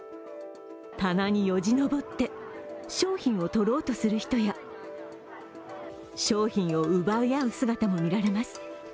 棚によじ登って商品を取ろうとする人や商品を奪い合う姿もみられます。